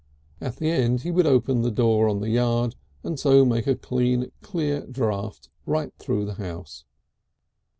At the end he would open the door on the yard and so make a clean clear draught right through the house.